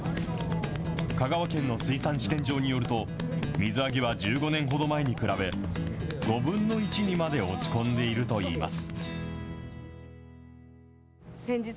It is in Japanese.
香川県の水産試験場によると、水揚げは１５年ほど前に比べ、５分の１にまで落ち込んでいるといいます。